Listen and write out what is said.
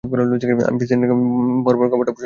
আমি প্রেসিডেন্ট বরাবর খবরটা পৌঁছানোর ব্যবস্থা করছি।